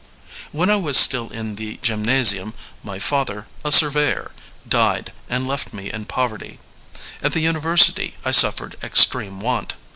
When I was still in the . gymnasium, my father, a surveyor, died, and left me in poverty. At the university I suffered extreme want.